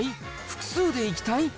複数で行きたい？